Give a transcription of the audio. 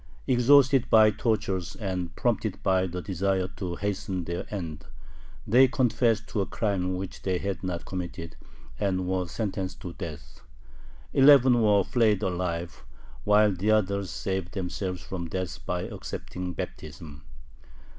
Exhausted by tortures and prompted by the desire to hasten their end, they confessed to a crime which they had not committed, and were sentenced to death. Eleven were flayed alive, while the others saved themselves from death by accepting baptism.